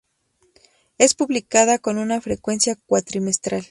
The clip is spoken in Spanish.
Es publicada con una frecuencia cuatrimestral.